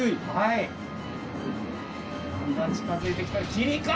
だんだん近づいてきた「切換」！